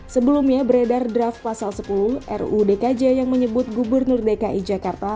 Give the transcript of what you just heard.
sebelumnya beredar draft pasal sepuluh ruu dkj yang menyebut gubernur dki jakarta